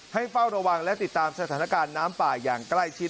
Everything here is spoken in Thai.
เฝ้าระวังและติดตามสถานการณ์น้ำป่าอย่างใกล้ชิด